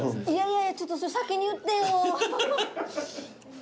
いやいやちょっとそれ先に言ってよ。